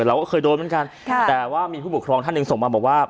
เราก็เคยโดนเหมือนกันค่ะแต่ว่ามีผู้ปกครองท่านหนึ่งส่งมาบอกว่า